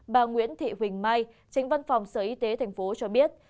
bà nguyễn thị huỳnh mai tránh văn phòng sở y tế tp cho biết